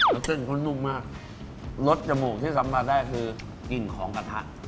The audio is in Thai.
แนวแจ้งต้นมากรสจมูกที่สำทันได้คือกลิ่นของกระทะ